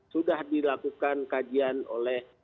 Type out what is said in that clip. sudah dilakukan kajian oleh